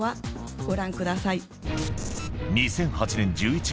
ご覧ください。